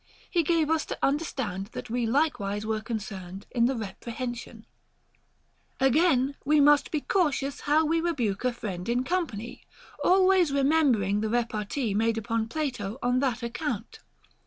he gave us to understand that we likewise were concerned in the reprehension. 148 HOW TO KNOW A FLATTERER 32. Again, we must be cautious how we rebuke a friend in company, always remembering the repartee made upon Plato on that account.